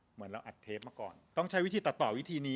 เหมือนเราอัดเทปมาก่อนต้องใช้วิธีตัดต่อวิธีนี้